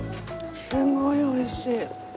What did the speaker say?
すごい美味しい！